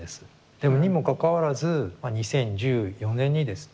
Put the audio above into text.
でもにもかかわらず２０１４年にですね